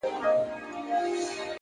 د باران وروسته کوڅه تل نوې ښکاري!